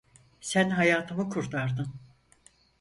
Sen hayatımı kurtardın.